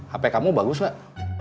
hp kamu bagus gak